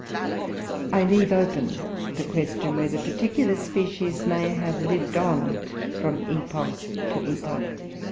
I leave open the question whether particular species may have lived on from epoch to epoch.